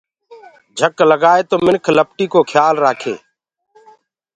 جھڪ لگآئي تو منِک لپٽينٚ ڪو کيآل رآکي۔